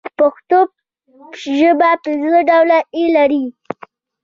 پښتو ژبه پنځه ډوله ي لري.